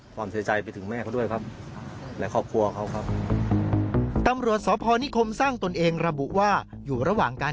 แต่ผมก็กลับบ้านมา